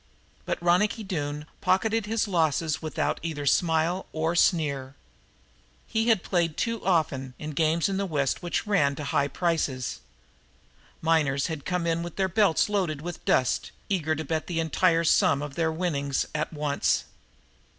But Ronicky Doone pocketed his losses without either smile or sneer. He had played too often in games in the West which ran to huge prices. Miners had come in with their belts loaded with dust, eager to bet the entire sum of their winnings at once.